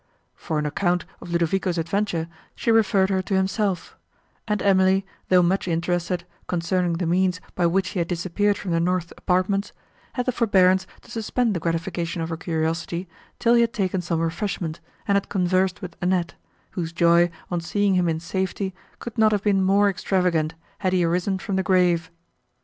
For an account of Ludovico's adventure, she referred her to himself; and Emily, though much interested, concerning the means, by which he had disappeared from the north apartments, had the forbearance to suspend the gratification of her curiosity, till he had taken some refreshment, and had conversed with Annette, whose joy, on seeing him in safety, could not have been more extravagant, had he arisen from the grave.